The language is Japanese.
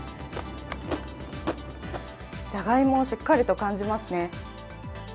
じゃがいもをしっかりと感じますね。